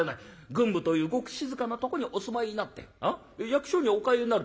郡部というごく静かなとこにお住まいになって役所にお通いになる時にな